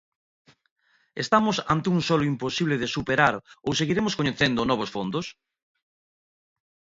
Estamos ante un solo imposible de superar ou seguiremos coñecendo novos fondos?